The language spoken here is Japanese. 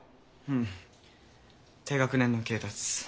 うん低学年の恵達。